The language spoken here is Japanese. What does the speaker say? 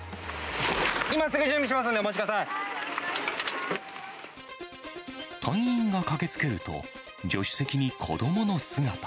今すぐ準備しますんで、隊員が駆けつけると、助手席に子どもの姿。